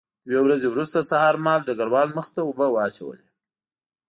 دوه ورځې وروسته سهار مهال ډګروال مخ ته اوبه واچولې